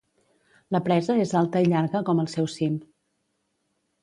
La presa és alta i llarga com el seu cim.